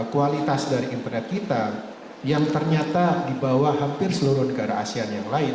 kualitas dari internet kita yang ternyata di bawah hampir seluruh negara asean yang lain